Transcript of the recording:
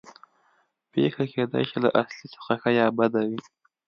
پېښه کېدای شي له اصلي څخه ښه یا بده وي